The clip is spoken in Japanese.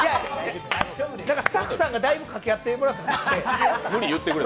スタッフさんがだいぶ掛け合ってもらったんですって。